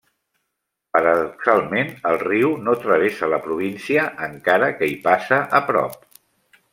Paradoxalment, el riu no travessa la província, encara que hi passa a prop.